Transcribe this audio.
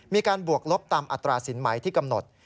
มีการบวกลบตามอัตราศิลป์ใหม่ที่กำหนด